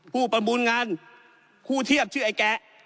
ประมูลงานคู่เทียบชื่อไอ้แกะ